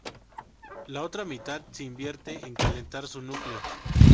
La otra mitad se invierte en calentar su núcleo.